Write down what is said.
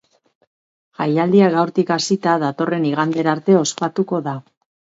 Jaialdia gaurtik hasita datorren iganderarte ospatuko da.